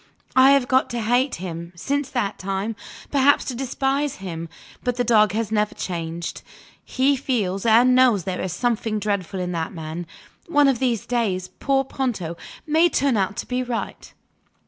I have got to hate him, since that time perhaps to despise him. But the dog has never changed; he feels and knows there is something dreadful in that man. One of these days, poor Ponto may turn out to be right.